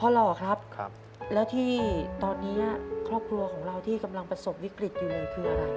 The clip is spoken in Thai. เพราะล่อครับแล้วที่ตอนนี้ครอบครัวของเราที่กำลังผสมวิกฤตคืออะไร